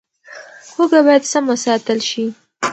هوږه باید سم وساتل شي.